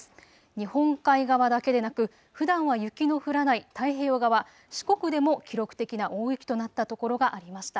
日本海側だけでなくふだんは雪の降らない太平洋側、四国でも記録的な大雪となったところがありました。